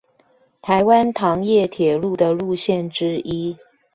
臺灣糖業鐵路的路線之一